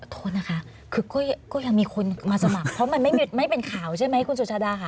โทษนะคะคือก็ยังมีคนมาสมัครเพราะมันไม่เป็นข่าวใช่ไหมคุณสุชาดาค่ะ